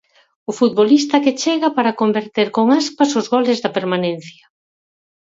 O futbolista que chega para converter con Aspas os goles da permanencia.